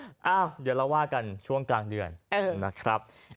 เดี๋ยวเราว่ากันช่วงกลางเดือนนะครับ